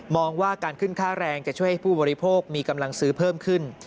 ว่าการขึ้นค่าแรงจะช่วยให้ผู้บริโภคมีกำลังซื้อเพิ่มขึ้น